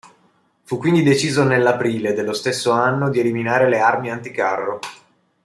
Fu quindi deciso nell'aprile dello stesso anno di eliminare le armi anticarro.